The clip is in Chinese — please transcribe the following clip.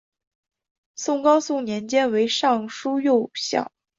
宋高宗年间为尚书右丞。